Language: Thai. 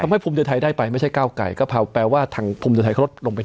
ทำให้ภูมิใจไทยได้ไปไม่ใช่ก้าวไก่ก็แปลว่าทางภูมิใจไทยเขาลดลงเป็น